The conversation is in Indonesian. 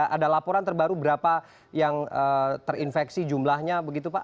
ada laporan terbaru berapa yang terinfeksi jumlahnya begitu pak